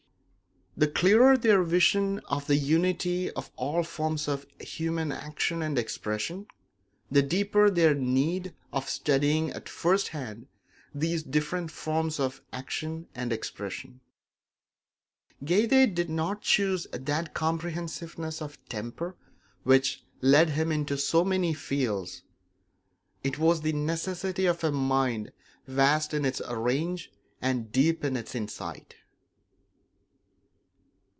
The clearer their vision of the unity of all forms of human action and expression, the deeper their need of studying at first hand these different forms of action and expression. Goethe did not choose that comprehensiveness of temper which led him into so many fields; it was the necessity of a mind vast in its range and deep in its insight.